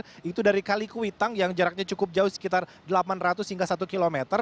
nah itu dari kalikuitang yang jaraknya cukup jauh sekitar delapan ratus hingga satu km